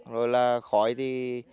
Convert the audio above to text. rồi là khói thì